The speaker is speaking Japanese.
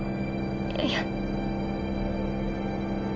いや。